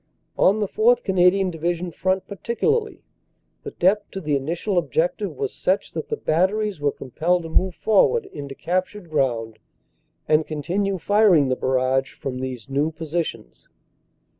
On the 4th. Canadian Division front partic ularly, the depth to the initial objective was such that the bat teries were compelled to move forward into captured ground and continue firing the barrage from these new positions.